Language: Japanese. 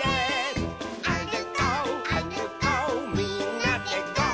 「あるこうあるこうみんなでゴー！」